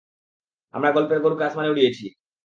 আমরা গল্পের গরুকে আসমানে উড়িয়েছি!